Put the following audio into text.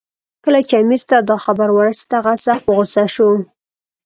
کله چې امیر ته دا خبر ورسېد، هغه سخت په غوسه شو.